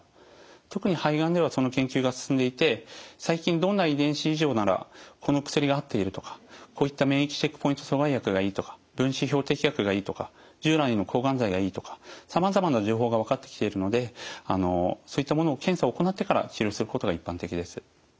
特に肺がんではその研究が進んでいて最近どんな遺伝子異常ならこの薬が合っているとかこういった免疫チェックポイント阻害薬がいいとか分子標的薬がいいとか従来の抗がん剤がいいとかさまざまな情報が分かってきているのでそういったものを検査を行ってから治療することが一般的です。